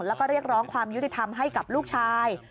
แล้วก็เรียกร้องความยุติธรรมให้กับลูกชาย